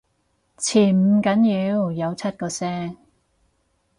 潛唔緊要，有出過聲